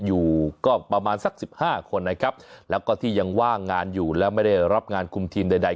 อยู่ก็ประมาณสักสิบห้าคนนะครับแล้วก็ที่ยังว่างงานอยู่และไม่ได้รับงานคุมทีมใดใด